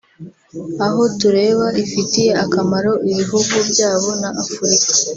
aho tureba ifitiye akamaro ibihugu byabo na Afurika